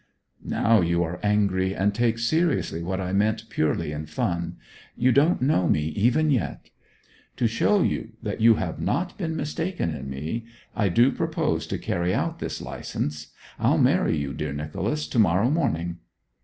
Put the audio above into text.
'Now you are angry, and take seriously what I meant purely in fun. You don't know me even yet! To show you that you have not been mistaken in me, I do propose to carry out this licence. I'll marry you, dear Nicholas, to morrow morning.'